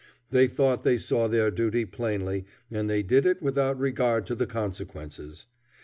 They thought they saw their duty plainly, and they did it without regard to the consequences.